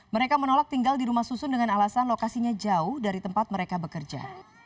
mereka menolak tinggal di rumah susun dengan alasan lokasinya jauh dari tempat mereka bekerja